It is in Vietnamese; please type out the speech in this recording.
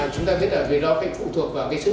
chúng ta biết là việc đó phải phụ thuộc vào sữa chua